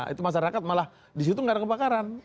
itu masyarakat malah di situ nggak ada kebakaran